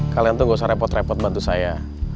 kalian tuh gak usah repot repot bantu saya